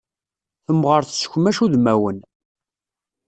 Temɣeṛ tessekmac udmawen.